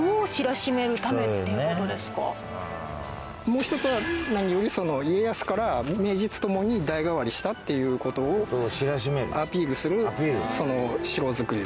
もう一つは何より家康から名実ともに代替わりしたっていう事をアピールする城造りだったと。